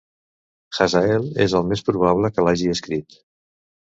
Hazael és el més probable que l'hagi escrit.